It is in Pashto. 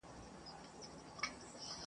په لوی لاس می ځان کنډول ژوند می تالا کړ !.